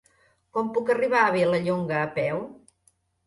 Com puc arribar a Vilallonga a peu?